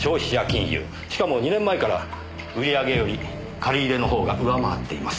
しかも２年前から売り上げより借り入れの方が上回っています。